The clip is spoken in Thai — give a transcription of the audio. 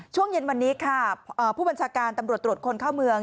ช่วงเย็นวันนี้ค่ะผู้บัญชาการตำรวจตรวจคนเข้าเมือง